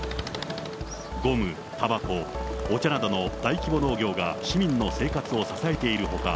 ゴム、たばこ、お茶などの大規模農業が市民の生活を支えているほか、